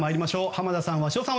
濱田さん、鷲尾さん